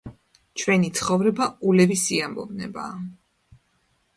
ჩვენი ცხოვრება ულევი სიამოვნებაა.